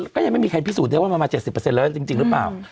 ก็ยังไม่มีใครพิสูจนได้ว่ามันมา๗๐แล้วจริงหรือเปล่า